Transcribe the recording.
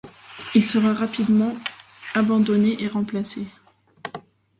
Il sera rapidement abandonné et remplacé.